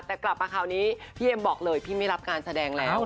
แต่กลับมาคราวนี้พี่เอ็มบอกเลยพี่ไม่รับการแสดงแล้ว